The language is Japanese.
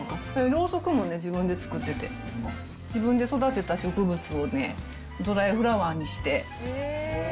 ろうそくも自分で作ってて、自分で育てた植物をね、ドライフラワーにして。